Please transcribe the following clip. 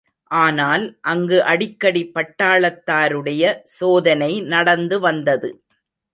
ஆனால் அங்கு அடிக்கடி பட்டாளத்தாருடைய சோதனை நடந்து வந்தது.